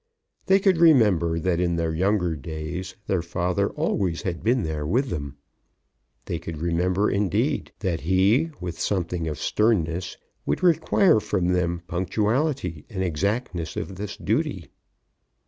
They could remember that in their younger days their father always had been there with them. They could remember, indeed, that he, with something of sternness, would require from them punctuality and exactness in this duty.